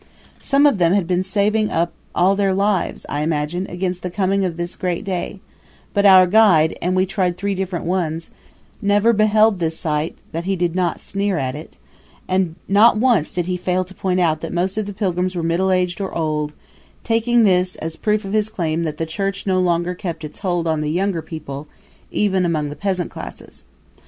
Some of them had been saving up all their lives, I imagine, against the coming of this great day; but our guide and we tried three different ones never beheld this sight that he did not sneer at it; and not once did he fail to point out that most of the pilgrims were middle aged or old, taking this as proof of his claim that the Church no longer kept its hold on the younger people, even among the peasant classes.